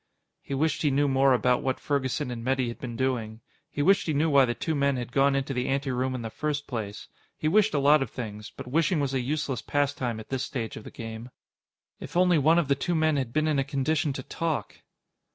He wished he knew more about what Ferguson and Metty had been doing. He wished he knew why the two men had gone into the anteroom in the first place. He wished a lot of things, but wishing was a useless pastime at this stage of the game. If only one of the two men had been in a condition to talk!